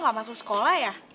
kok alma gak masuk sekolah ya